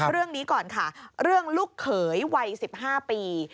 เรื่องนี้ก่อนค่ะเรื่องลูกเขยวัย๑๕ปี